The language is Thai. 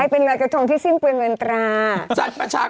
เป็นหนุ่มที่สิ้นเปืยงเลือนดรา